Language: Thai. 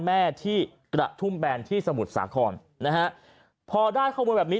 แม่ที่กระทุ่มแบนที่สมุทรสาครนะฮะพอได้ข้อมูลแบบนี้